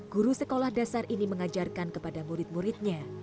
guru sekolah dasar ini mengajarkan kepada murid muridnya